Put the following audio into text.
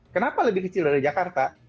kenapa lebih kecil dari jakarta